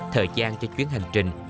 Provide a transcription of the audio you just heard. thời gian cho chuyến hành trình